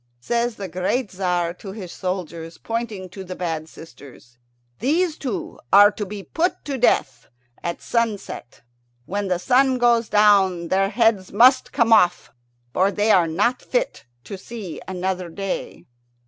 Says the great Tzar to his soldiers, pointing to the bad sisters, "These two are to be put to death at sunset. When the sun goes down their heads must come off, for they are not fit to see another day."